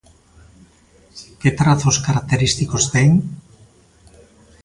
Que trazos característicos ten?